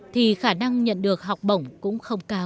thì khả năng nhận được học bổng cũng không cao